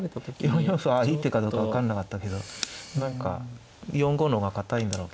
４四歩いい手かどうか分かんなかったけど何か４五の方が堅いんだろうけど。